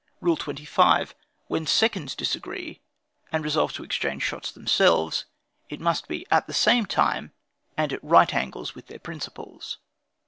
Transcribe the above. "Rule 25. When seconds disagree, and resolve to exchange shots themselves, it must be at the same time and at right angles with their principals.